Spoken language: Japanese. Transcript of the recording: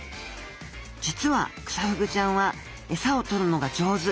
実はクサフグちゃんはエサを取るのが上手。